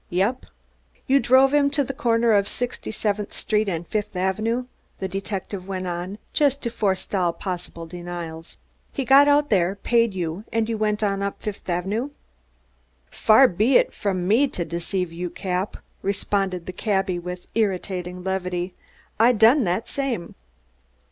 "Yep." "You drove him to the corner of Sixty seventh Street and Fifth Avenue," the detective went on just to forestall possible denials. "He got out there, paid you, and you went on up Fifth Avenue." "Far be it from me to deceive you, Cap," responded the cabby with irritating levity. "I done that same."